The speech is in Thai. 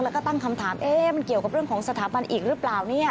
แล้วก็ตั้งคำถามเอ๊ะมันเกี่ยวกับเรื่องของสถาบันอีกหรือเปล่าเนี่ย